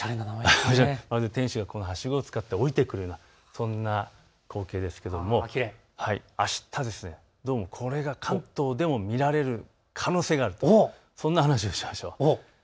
まるで天使がこのはしごを使って降りてくるようなそんな光景ですがあした、どうもこれが関東でも見られる可能性がある、そんな話をしましょう。